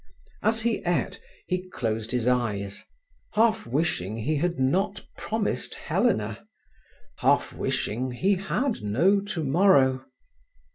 As he ate, he closed his eyes, half wishing he had not promised Helena, half wishing he had no tomorrow.